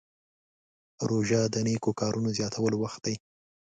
روژه د نیکو کارونو زیاتولو وخت دی.